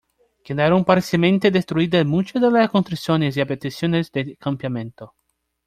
Quedaron parcialmente destruidas muchas de las construcciones y habitaciones del campamento.